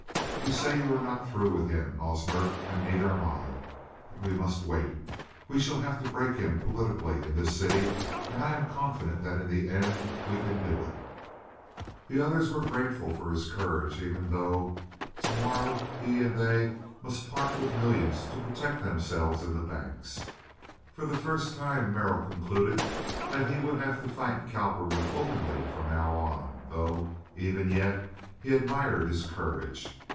You say you are not through with him, Hosmer, and neither am I. But we must wait. We shall have to break him politically in this city, and I am confident that in the end we can do it." The others were grateful for his courage even though to morrow he and they must part with millions to protect themselves and the banks. For the first time Merrill concluded that he would have to fight Cowperwood openly from now on, though even yet he admired his courage.